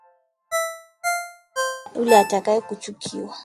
Hakuna yule atakaye taka kuchukiwa